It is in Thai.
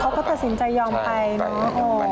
คือก็ตัดสินใจยอมไปนะ